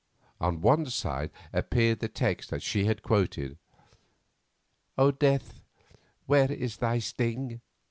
On one side appeared the text that she had quoted, "O death, where is thy sting?"